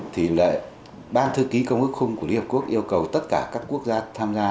thì là ban thư ký công ước khung của liên hợp quốc yêu cầu tất cả các quốc gia tham gia